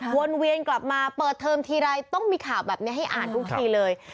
วนเวียนกลับมาเปิดเทอมทีไรต้องมีข่าวแบบนี้ให้อ่านทุกทีเลย